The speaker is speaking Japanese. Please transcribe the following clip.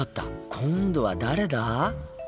今度は誰だ？